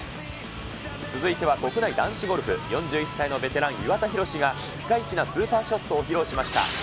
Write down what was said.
続いては国内男子ゴルフ、４１歳のベテラン、岩田寛がピカイチなスーパーショットを披露しました。